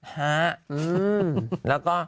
ฮะแล้วก็